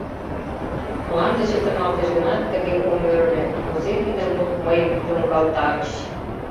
Мланде чытырналтеш гынат, тыге ом ӧр ыле, кузе тиде мут мыйым йоҥгалтарыш.